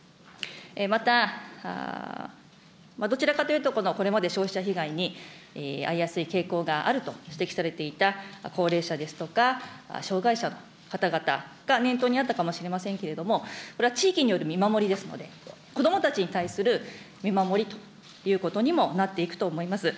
また、どちらかというと、これまで消費者被害に遭いやすい傾向があると指摘されていた高齢者ですとか、障害者の方々が念頭にあったかもしれませんけれども、これは地域による見守りですので、子どもたちに対する見守りということにもなっていくと思います。